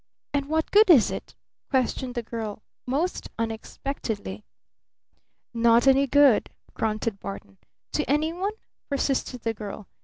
"And what good is it?" questioned the girl most unexpectedly. "Not any good!" grunted Barton. "To any one?" persisted the girl.